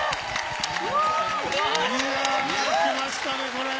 いやー、きましたね、これ。